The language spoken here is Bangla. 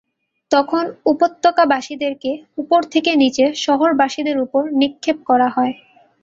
তখন উপত্যকাবাসীদেরকে উপর থেকে নিচে শহরবাসীদের উপর নিক্ষেপ করা হয়।